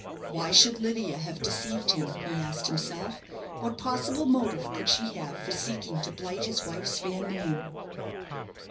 Why should Lydia have deceived him? he asked himself. What possible motive could she have for seeking to blight his wife's fair name?